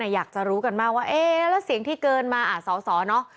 อยากจะรู้กันมากว่าเอ๊ะแล้วเสียงที่เกินมาสอสอเนอะ